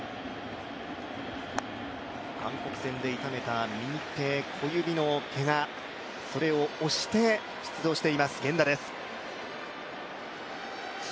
韓国戦で痛めた右手小指のけが、それを押して出場しています源田です。